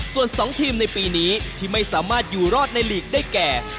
ส่วน๒ทีมในปีนี้ที่ไม่สามารถอยู่รอดในลีกได้แก่